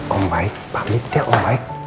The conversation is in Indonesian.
om baik pamit ya om baik